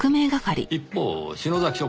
一方篠崎署